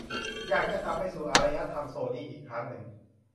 อยากจะกลับไปสู่อารยธรรมโซนี่อีกครั้งหนึ่ง